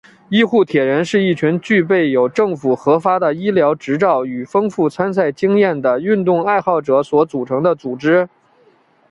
医护铁人是一群具备有政府核发的医疗执照与丰富参赛经验的运动爱好者所组成的组织。